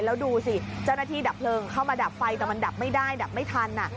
แล้วดูสิเจ้าหน้าที่ดับเพลิงเข้ามาดับไฟแต่มันดับไม่ได้ดับไม่ทัน